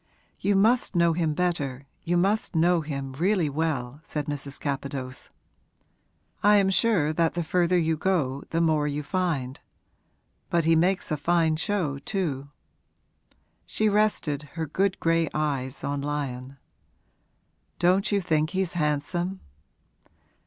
'You must know him better you must know him really well,' said Mrs. Capadose. 'I am sure that the further you go the more you find. But he makes a fine show, too.' She rested her good gray eyes on Lyon. 'Don't you think he's handsome?'